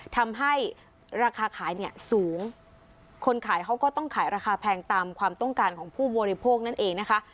ทำให้ราคาขายเนี่ยสูงคนขายเขาก็ต้องขายราคาแพงตามความต้องการของผู้บริโภคนั่นเองนะคะ